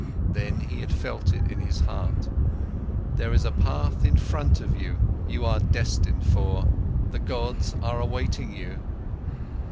Then, he had felt it in his heart: "There is a path in front of you, you are destined for, the gods are awaiting you."